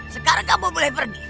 sekarang kamu boleh pergi